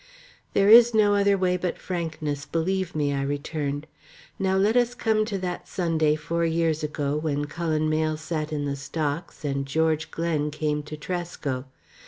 "There is no other way but frankness, believe me," I returned. "Now let us come to that Sunday, four years ago, when Cullen Mayle sat in the stocks and George Glen came to Tresco.